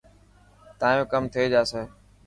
تايو ڪم ٿي جاسي.